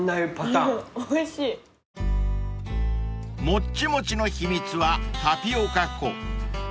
［もっちもちの秘密はタピオカ粉］